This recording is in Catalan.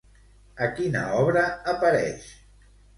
A quina obra apareix?